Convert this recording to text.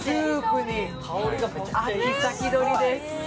秋、先取りです。